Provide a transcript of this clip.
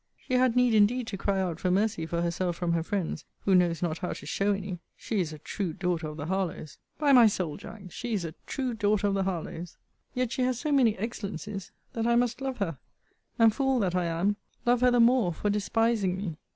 She had need indeed to cry out for mercy for herself from her friends, who knows not how to show any! She is a true daughter of the Harlowes! By my soul, Jack, she is a true daughter of the Harlowes! Yet has she so many excellencies, that I must love her; and, fool that I am, love her the more for despising me.